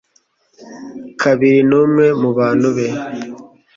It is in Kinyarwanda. kabiri n umwe mu bantu be